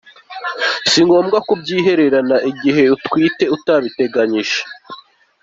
Si ngombwa kubyihererana igihe utwite utabiteganyije.